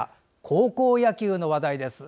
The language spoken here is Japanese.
高校野球の話題です。